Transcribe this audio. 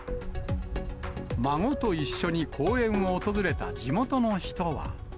孫と一緒に公園を訪れた地元の人は。